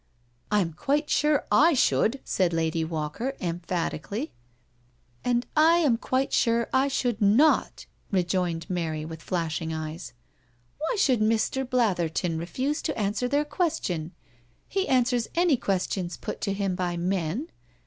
'*'' I am quite sure / should," said Lady Walker emphatically. " And I am quite sure / should not^ rejoined Mary, with flashing eyes. *' Why should Mr. Blatherton re fuse to answer their question? He answers any ques tions put to him by men.